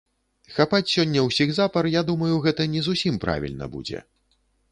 Хапаць сёння ўсіх запар, я думаю, гэта не зусім правільна будзе.